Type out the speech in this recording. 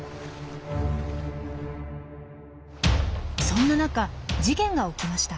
そんな中事件が起きました。